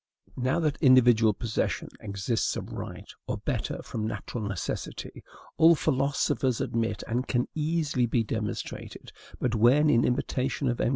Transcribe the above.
Now, that individual possession exists of right, or, better, from natural necessity, all philosophers admit, and can easily e demonstrated; but when, in imitation of M.